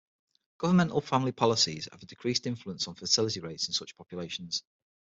Governmental family policies have a decreased influence on fertility rates in such populations.